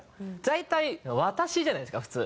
大体「私」じゃないですか普通。